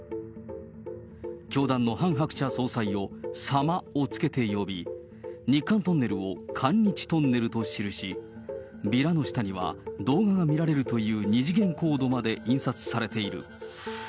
教団のハン・ハクチャ総裁を様をつけて呼び、日韓トンネルを韓日トンネルと記し、ビラの下には、動画が見られるという二次元コードまで印刷されている。